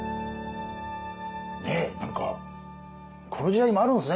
ねえ何かこの時代もあるんですね。